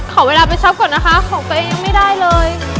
ขอเวลาไปช็อปก่อนนะคะของตัวเองยังไม่ได้เลย